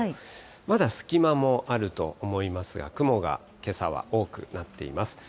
まだ隙間もあると思いますが、雲がけさは多くなっています。